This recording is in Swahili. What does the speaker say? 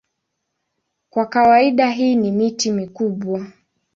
Kwa kawaida hii ni miti mikubwa.